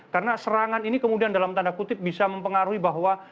karena serangan ini kemudian dalam tanda kutip bisa mempengaruhi bahwa